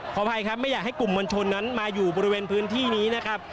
อภัยครับไม่อยากให้กลุ่มมวลชนนั้นมาอยู่บริเวณพื้นที่นี้นะครับ